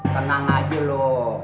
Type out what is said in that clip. tenang aja lo